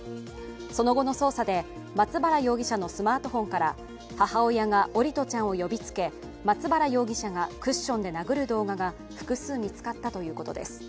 その後の捜査で松原容疑者のスマートフォンから母親が桜利斗ちゃんを呼びつけ松原容疑者がクッションで殴る動画が複数見つかったということです。